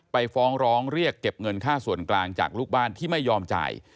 ฟ้องร้องเรียกเก็บเงินค่าส่วนกลางจากลูกบ้านที่ไม่ยอมจ่าย